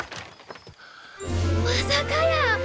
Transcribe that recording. まさかやー！